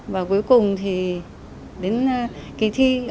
và cuối cùng thì đến kỳ thi này